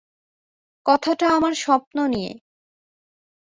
কথাটা আমার স্বপ্ন নিয়ে।